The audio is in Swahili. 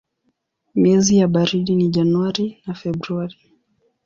Miezi ya baridi ni Januari na Februari.